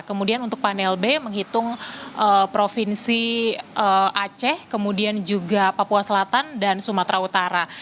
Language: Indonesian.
kemudian untuk panel b menghitung provinsi aceh kemudian juga papua selatan dan sumatera utara